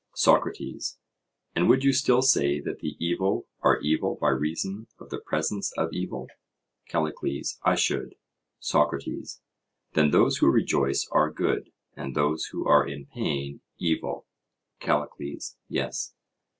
SOCRATES: And would you still say that the evil are evil by reason of the presence of evil? CALLICLES: I should. SOCRATES: Then those who rejoice are good, and those who are in pain evil? CALLICLES: Yes.